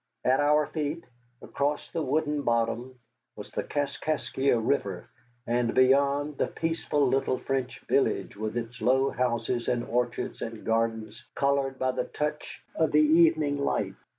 At our feet, across the wooded bottom, was the Kaskaskia River, and beyond, the peaceful little French village with its low houses and orchards and gardens colored by the touch of the evening light.